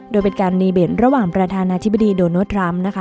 โดยเป็นการดีเบตระหว่างประธานาธิบดีโดนัลดทรัมป์นะคะ